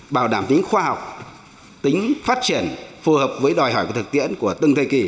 bảo đảm tính khoa học tính phát triển phù hợp với đòi hỏi của thực tiễn của từng thời kỳ